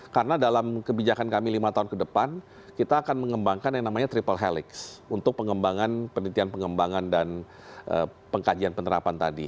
karena dalam kebijakan kami lima tahun ke depan kita akan mengembangkan yang namanya triple helix untuk penelitian pengembangan dan pengkajian penerapan tadi